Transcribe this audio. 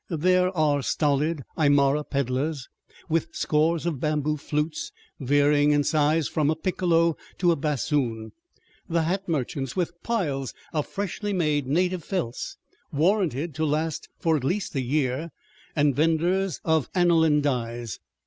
There are stolid Aymara peddlers with scores of bamboo flutes varying in size from a piccolo to a bassoon; the hat merchants, with piles of freshly made native felts, warranted to last for at least a year; and vendors of aniline dyes.